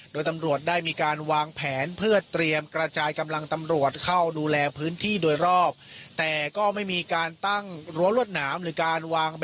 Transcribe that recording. โดยตำรวจได้มีการวางแผนเพื่อเตรียมกระจายกำลังตำรวจเข้าดูแลพื้นที่โดยรอบแต่ก็ไม่มีการตั้งรั้วรวดหนามหรือการวาง